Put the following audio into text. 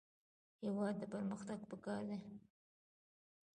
هېواد ته پرمختګ پکار دی